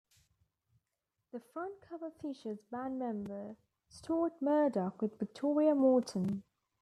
The front cover features band member Stuart Murdoch with Victoria Morton.